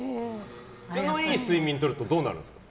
質のいい睡眠をとるとどうなるんですか？